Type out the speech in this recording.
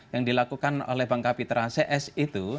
yang dilakukan oleh bang kapitra cs itu